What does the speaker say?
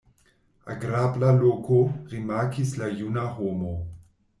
Agrabla loko, rimarkis la juna homo.